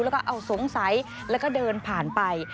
แล้วก็เอาสงสัยแล้วก็เดินผ่านไป